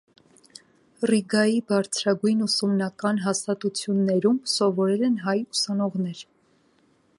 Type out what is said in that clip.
Ռիգայի բարձրագույն ուսումնական հաստատություններում սովորել են հայ ուսանողներ։